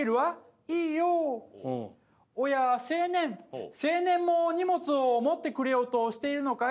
「おや青年青年も荷物を持ってくれようとしているのかい？」